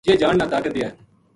یہ جان نا طاقت دیئے